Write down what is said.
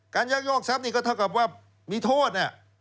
ยักยอกทรัพย์นี่ก็เท่ากับว่ามีโทษ